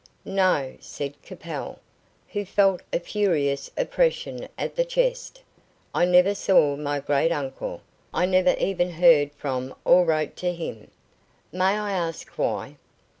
"No," said Capel, who felt a curious oppression at the chest, "I never saw my great uncle. I never even heard from or wrote to him." "May I ask why?"